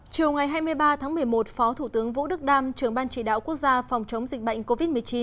chiều ngày hai mươi ba tháng một mươi một phó thủ tướng vũ đức đam trưởng ban chỉ đạo quốc gia phòng chống dịch bệnh covid một mươi chín